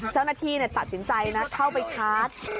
เจ้าหน้าที่ตัดสินใจนะเข้าไปชาร์จ